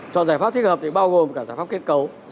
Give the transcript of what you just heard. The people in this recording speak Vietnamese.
chọn giải pháp thích hợp thì bao gồm cả giải pháp kết cấu